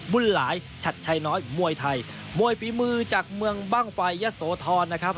หลายชัดชัยน้อยมวยไทยมวยฝีมือจากเมืองบ้างไฟยะโสธรนะครับ